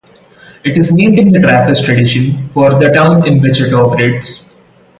It is named in the Trappist Tradition for the town in which it operates.